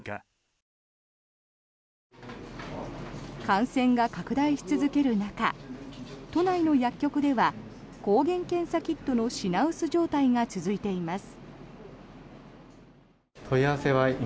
感染が拡大し続ける中都内の薬局では抗原検査キットの品薄状態が続いています。